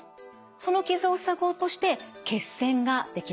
その傷を塞ごうとして血栓ができます。